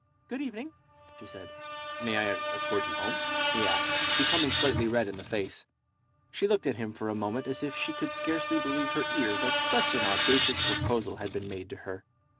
"Good evening," she said. "May I escort you home?" he asked, becoming slightly red in the face. She looked at him for a moment as if she could scarcely believe her ears that such an audacious proposal had been made to her.